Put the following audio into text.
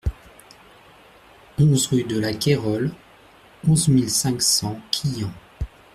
onze rue de la Cayrolle, onze mille cinq cents Quillan